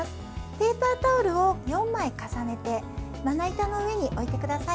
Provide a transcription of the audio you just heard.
ペーパータオルを４枚重ねてまな板の上に置いてください。